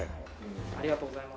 ありがとうございます。